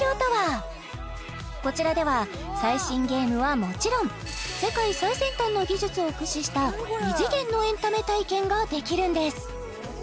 こちらでは最新ゲームはもちろん世界最先端の技術を駆使した異次元のエンタメ体験ができるんです